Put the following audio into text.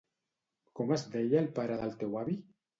Com es deia el pare del teu avi?